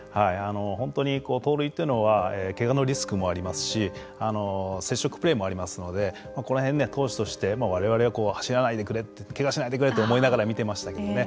本当に盗塁というのはけがのリスクもありますし接触プレーもありますのでこの辺投手として我々は走らないでくれけがしないでくれと思いながら見てましたけどね